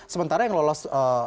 sementara yang lolos